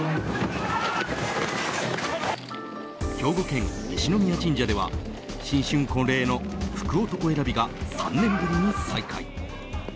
兵庫県、西宮神社では新春恒例の福男選びが３年ぶりに再開。